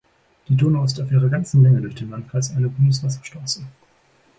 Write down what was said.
Die Donau ist auf ihrer ganzen Länge durch den Landkreis eine Bundeswasserstraße.